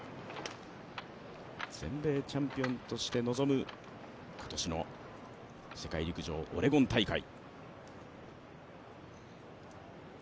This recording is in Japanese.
全米チャンピオンとして臨む、今年の世界陸上オレゴン大会。